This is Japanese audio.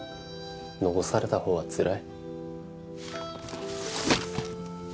残された方はつらい